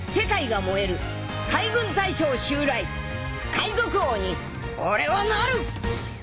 海賊王に俺はなる！